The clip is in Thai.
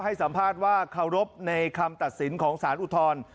ให้สัมภาษณ์ว่าเคารพในคำตัดสินของสารอุทธรณ์